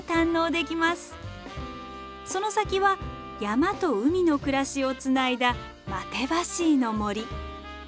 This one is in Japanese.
その先は山と海の暮らしをつないだマテバシイの森。